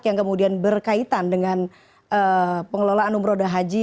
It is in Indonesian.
yang kemudian berkaitan dengan pengelolaan umroh dan haji